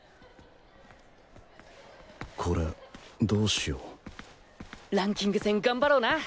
これどうしようランキング戦頑張ろうな。